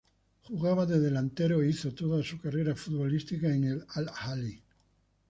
Jugaba de delantero e hizo toda su carrera futbolística en el Al-Ahly.